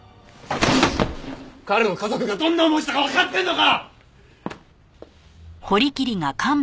彼の家族がどんな思いしたかわかってんのか！